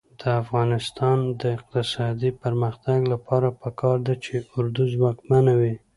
د افغانستان د اقتصادي پرمختګ لپاره پکار ده چې اردو ځواکمنه وي.